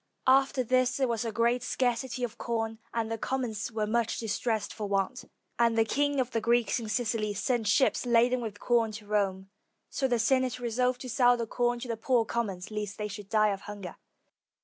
After this there was a great scarcity of com, and the commons were much distressed for want, and the king of the Greeks in Sicily sent ships laden with com to Rome : so the Senate resolved to sell the corn to the poor com mons, lest they should die of hunger.